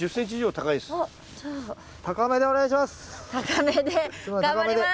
高めでお願いします！